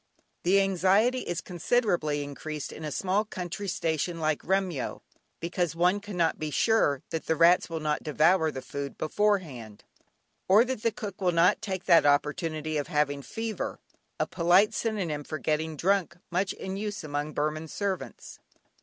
The anxiety is considerably increased in a small country station like Remyo, because one cannot be sure that the rats will not devour the food beforehand, or that the cook will not take that opportunity of having "fever," a polite synonym for getting drunk, much in use among Burman servants.